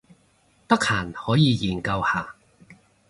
得閒可以研究下